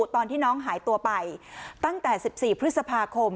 ตอนที่น้องหายตัวไปตั้งแต่๑๔พฤษภาคม